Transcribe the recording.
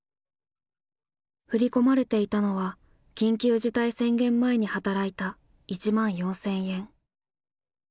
振り込まれていたのは緊急事態宣言前に働いた１万４，０００円。